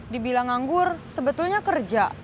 dibilang nganggur sebetulnya kerja